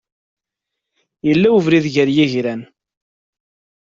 Yella ubrid gar yigran.